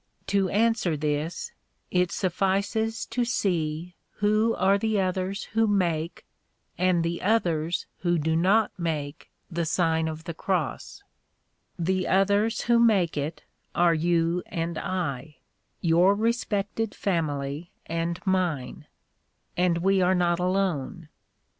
To answer this, it suffices to see who are the others who make, and the others who do not make the Sign of o the Cross. The others who make it, are you and I, your respected family and mine; and we are In the Nineteenth Century. 237 not alone.